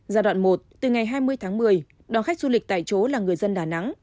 giai đoạn một từ ngày hai mươi tháng một mươi đón khách du lịch tại chỗ là người dân đà nẵng